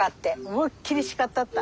思いっ切り叱ったった！